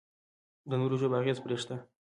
د نورو ژبو اغېز پرې شته.